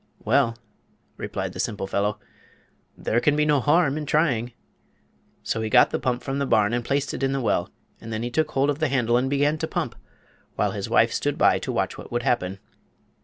"Well," replied the simple fellow, "there can be no harm in trying." So he got the pump from the barn and placed it in the well, and then he took hold of the handle and began to pump, while his wife stood by to watch what would happen.